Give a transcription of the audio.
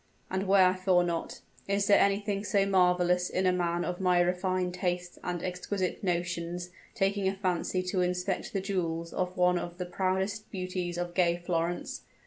And wherefore not? Is there anything so marvelous in a man of my refined tastes and exquisite notions taking a fancy to inspect the jewels of one of the proudest beauties of gay Florence?